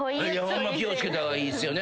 ホンマ気を付けた方がいいっすよね。